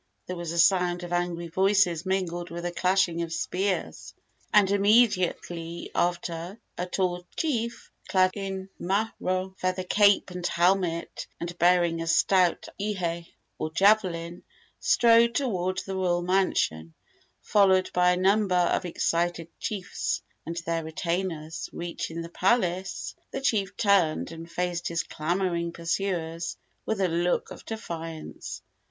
There was a sound of angry voices mingled with a clashing of spears, and immediately after a tall chief, clad in maro, feather cape and helmet, and bearing a stout ihe, or javelin, strode toward the royal mansion, followed by a number of excited chiefs and their retainers. Reaching the palace, the chief turned and faced his clamoring pursuers with a look of defiance.